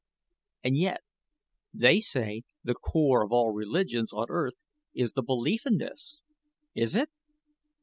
And yet, they say the core of all religions on earth is the belief in this. Is it?